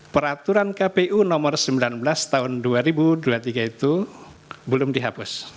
peraturan kpu nomor sembilan belas tahun dua ribu dua puluh tiga itu belum dihapus